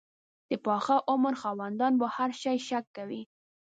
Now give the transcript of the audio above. د پاخه عمر خاوندان په هر شي شک کوي.